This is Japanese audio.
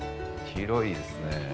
広いですね。